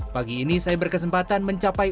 pagi ini saya berkesempatan mencapai